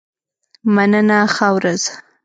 مننه ښه ورځ.